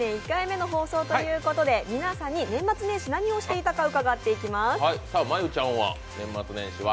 １回目の放送ということで皆さんに年末年始、何をしていたか伺っていきます。